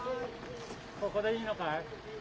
ここでいいのかい？